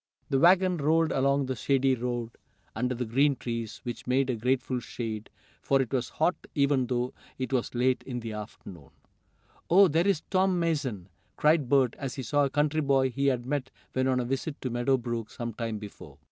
The wagon rolled along the shady road, under the green trees, which made a grateful shade, for it was hot even though it was late in the afternoon. "Oh, there is Tom Mason!" cried Bert, as he saw a country boy he had met when on a visit to Meadow Brook some time before.